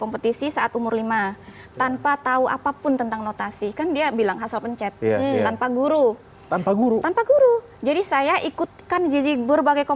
pemenang yang takah menyerah